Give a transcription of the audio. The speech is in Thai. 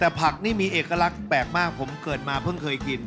แต่ผักนี่มีเอกลักษณ์แปลกมากผมเกิดมาเพิ่งเคยกิน